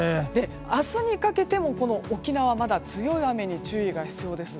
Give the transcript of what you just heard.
明日にかけても沖縄はまだ強い雨に注意が必要です。